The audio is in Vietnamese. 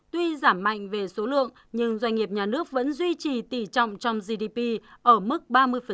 tuy giảm mạnh về số lượng nhưng doanh nghiệp nhà nước vẫn duy trì tỷ trọng trong gdp ở mức ba mươi